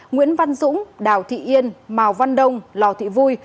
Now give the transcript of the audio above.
nguyễn văn dũng đào thị yên màu văn đông lò thị vui